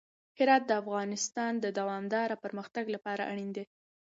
هرات د افغانستان د دوامداره پرمختګ لپاره اړین دی.